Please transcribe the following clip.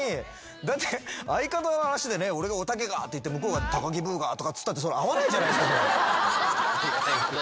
だって相方の話でね俺が「おたけが」って言って向こうが。とか言ったって合わないじゃないですか。